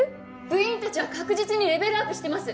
部員たちは確実にレベルアップしてます。